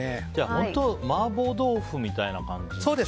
本当、麻婆豆腐みたいな感じに近いな。